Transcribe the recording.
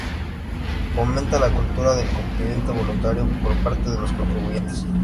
Fomenta la cultura del cumplimiento voluntario por parte de los contribuyentes.